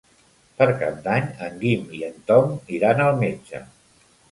Per Cap d'Any en Guim i en Tom iran al metge.